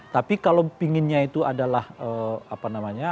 tapi kalau pinginnya itu adalah apa namanya